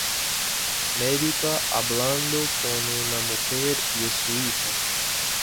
Médica hablando con una mujer y su hijo